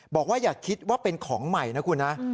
อย่าคิดว่าเป็นของใหม่นะคุณนะ